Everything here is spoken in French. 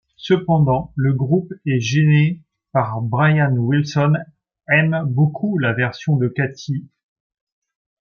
Cependant, le groupe est gêné car Brian Wilson aime beaucoup la version de Katy.